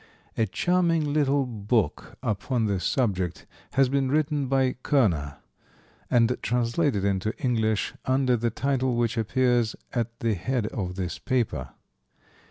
A charming little book upon this subject has been written by Kerner, and translated into English, under the title which appears at the head of this paper.